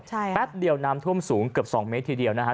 ใช่แป๊บเดียวน้ำท่วมสูงเกือบ๒เมตรทีเดียวนะฮะ